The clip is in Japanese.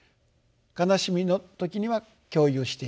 悲しみの時には共有していく。